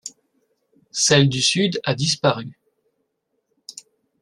Celle du sud a disparu.